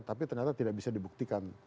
tapi ternyata tidak bisa dibuktikan